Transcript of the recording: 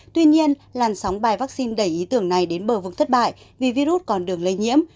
tuy nhiên làn sóng bài vaccine đẩy ý tưởng này đến bờ vực thất bại vì virus còn đường lây nhiễm